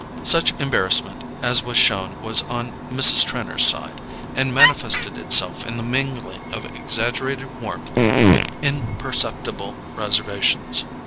Such embarrassment as was shown was on Mrs. Trenor's side, and manifested itself in the mingling of exaggerated warmth with imperceptible reservations.